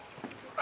あ！